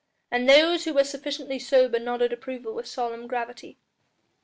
And those who were sufficiently sober nodded approval with solemn gravity.